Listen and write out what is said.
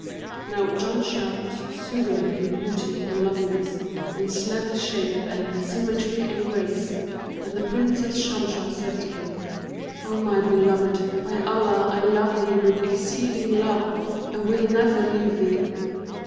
Now Janshah was singular in beauty and loveliness and slender shape and symmetry and grace, and the Princess Shamsah said to him, 'O my beloved, by Allah, I love thee with exceeding love and will never leave thee!'